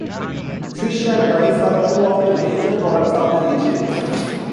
Fish and rice are two of the major products of the region.